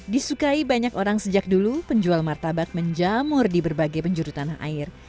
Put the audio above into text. disukai banyak orang sejak dulu penjual martabak menjamur di berbagai penjuru tanah air